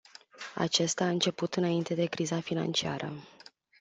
Acesta a început înainte de criza financiară.